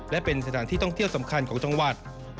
และเป็นสถานที่ท่องเที่ยวสำคัญของจังหวัด